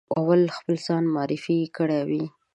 اول خپل ځان معرفي کړی وي.